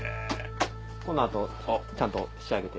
この後ちゃんと仕上げて。